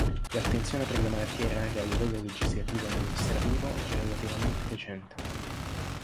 L'attenzione per le malattie rare a livello legislativo e amministrativo è relativamente recente.